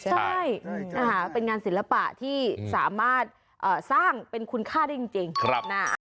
ใช่นะคะเป็นงานศิลปะที่สามารถสร้างเป็นคุณค่าได้จริงนะ